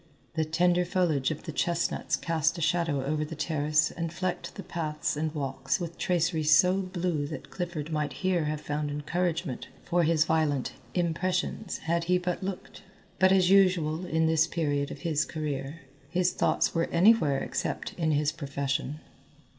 The tender foliage of the chestnuts cast a shadow over the terrace and flecked the paths and walks with tracery so blue that Clifford might here have found encouragement for his violent "impressions" had he but looked; but as usual in this period of his career, his thoughts were anywhere except in his profession.